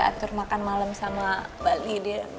atur makan malam sama mbak lydia